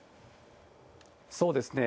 そうですね。